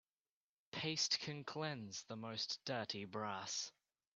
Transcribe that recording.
Paste can cleanse the most dirty brass.